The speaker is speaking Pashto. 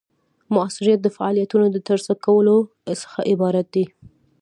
مؤثریت د فعالیتونو د ترسره کولو څخه عبارت دی.